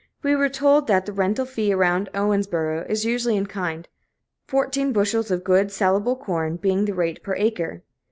We were told that the rental fee around Owensboro is usually in kind, fourteen bushels of good, salable corn being the rate per acre.